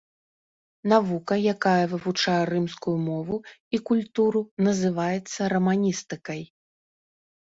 Навука, якая вывучае рымскую мову і культуру, называецца раманістыкай.